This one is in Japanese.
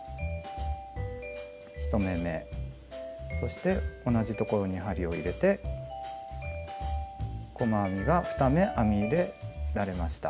１目めそして同じところに針を入れて細編みが２目編み入れられました。